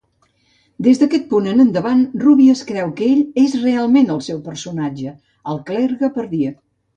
Des d'aquest punt en endavant, Robbie es creu que ell és realment el seu personatge, el clergue Pardieu.